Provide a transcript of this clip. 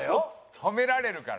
ホメられるから。